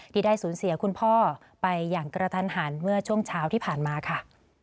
ที่ได้สูญเสียคุณพ่อไปอย่างกระทันหันเมื่อช่วงเช้าที่ผ่านมาค่ะ